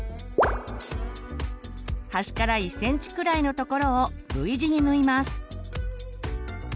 端から１ｃｍくらいのところをＶ字に縫います。